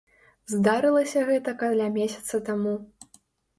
Здарылася гэта каля месяца таму.